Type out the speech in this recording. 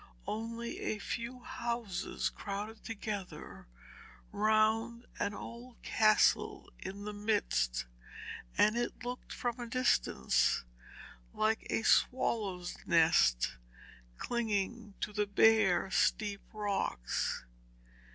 Only a few houses crowded together round an old castle in the midst, and it looked from a distance like a swallow's nest clinging to the bare steep rocks.